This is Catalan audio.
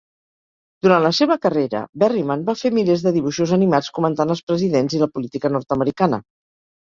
Durant la seva carrera, Berryman va fer milers de dibuixos animats comentant els presidents i la política nord-americana.